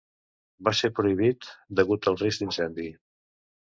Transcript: Va ser prohibit degut al risc d’incendi.